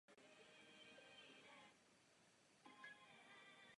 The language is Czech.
Pohřbena byla v rakouském Salzburgu.